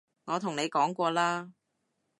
我同你講過啦